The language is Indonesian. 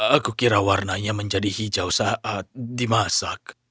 aku kira warnanya menjadi hijau saat dimasak